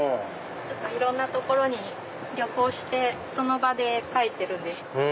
いろんな所に旅行してその場で描いてるんです。